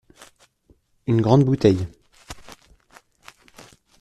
une grande bouteille.